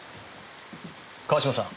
川島さん